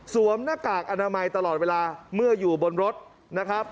หน้ากากอนามัยตลอดเวลาเมื่ออยู่บนรถนะครับ